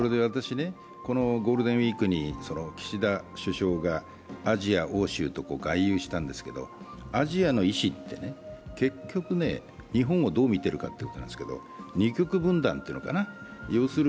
このゴールデンウイークに岸田首相がアジア、欧州と外遊したんですけどアジアの意思って、結局日本をどう見ているかなんですけれども、二極分断というのかな。